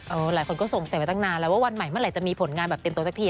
เออหลายคนก็ส่งเสร็จไปตั้งนานว่าวันใหม่เมื่อไรจะมีผลงานแบบเต็มตัวจักรที